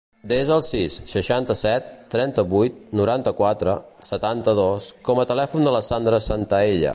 Desa el sis, seixanta-set, trenta-vuit, noranta-quatre, setanta-dos com a telèfon de la Sandra Santaella.